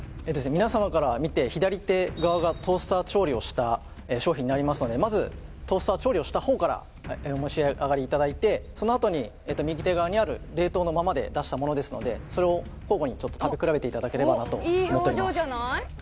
皆様から見て左手側がトースター調理をした商品になりますのでまずトースター調理をした方からお召し上がりいただいてそのあとに右手側にある冷凍のままで出したものですのでそれを交互に食べ比べていただければなと思っております